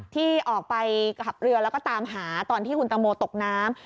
ที่ออกไปขับเรือแล้วก็ตามหาตอนที่คุณตังโมตกน้ำ